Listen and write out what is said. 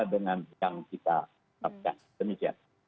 dengan yang kita dapatkan